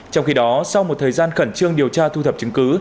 trong khi đó sau một thời gian khẩn trương điều tra thu thập chứng cứ